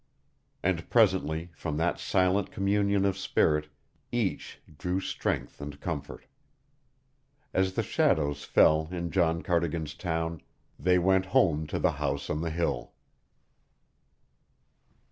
And presently, from that silent communion of spirit, each drew strength and comfort. As the shadows fell in John Cardigan's town, they went home to the house on the hill.